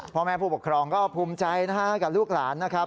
พ่อแม่ผู้ปกครองก็ภูมิใจนะฮะกับลูกหลานนะครับ